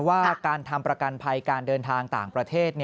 ว่าการทำประกันภัยการเดินทางต่างประเทศ